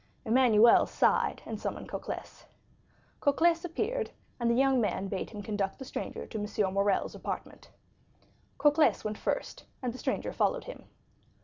Emmanuel sighed, and summoned Cocles. Cocles appeared, and the young man bade him conduct the stranger to M. Morrel's apartment. Cocles went first, and the stranger followed him.